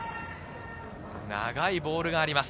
長いボールがあります。